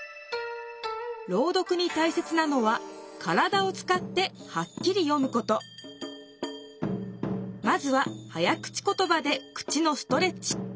朗読にたいせつなのは体をつかってはっきり読むことまずは早口ことばで口のストレッチ。